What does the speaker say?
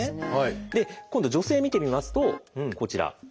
今度女性見てみますとこちら。